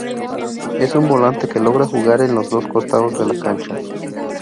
Es un volante que logra jugar en los dos costados de la cancha.